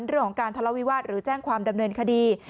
เรื่องของการทะเลาวิวาสหรือแจ้งความดำเนินคดี